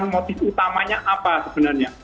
motif utamanya apa sebenarnya